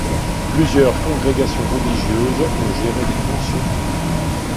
Plusieurs congrégations religieuses ont géré des pensionnats.